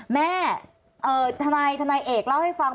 ทนายเอกเล่าให้ฟัง